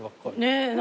ねえ。